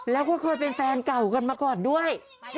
แล้วก็เคยเป็นแฟนเก่ากันมาก่อนด้วย